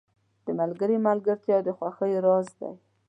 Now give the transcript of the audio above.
• د ملګري ملګرتیا د خوښیو راز دی.